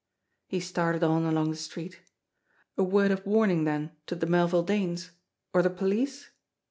He started on along the street. A word of warning, then, to the Melville Danes or the police?